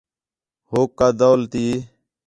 ہوک کا دَول تی